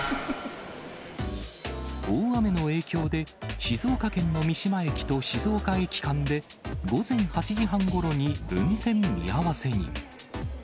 大雨の影響で、静岡県の三島駅と静岡駅間で、午前８時半ごろに運転見合わせに。